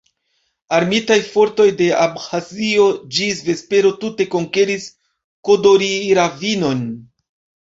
Armitaj fortoj de Abĥazio ĝis vespero tute konkeris Kodori-ravinon.